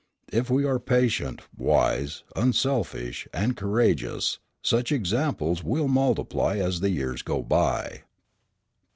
If we are patient, wise, unselfish, and courageous, such examples will multiply as the years go by.